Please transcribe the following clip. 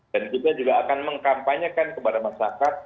dan juga akan mengkampanyekan kepada masyarakat